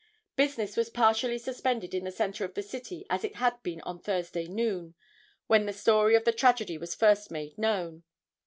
Business was partially suspended in the center of the city as it had been on Thursday noon, when the story of the tragedy was first made known.